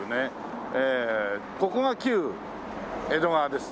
ここが旧江戸川です。